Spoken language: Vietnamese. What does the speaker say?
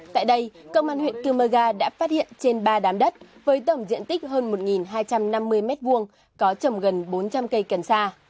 tại đây công an huyện cư mơ ga đã phát hiện trên ba đám đất với tổng diện tích hơn một hai trăm năm mươi m hai có trồng gần bốn trăm linh cây cần sa